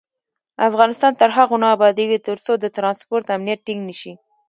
افغانستان تر هغو نه ابادیږي، ترڅو د ترانسپورت امنیت ټینګ نشي.